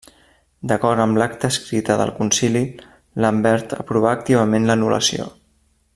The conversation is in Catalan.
D'acord amb l'acta escrita del concili, Lambert aprovà activament l'anul·lació.